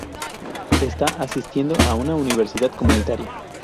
Está asistiendo a una universidad comunitaria.